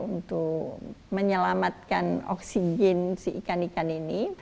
untuk menyelamatkan oksigen si ikan ikan ini